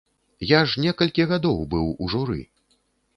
Я ж некалькі гадоў быў у журы!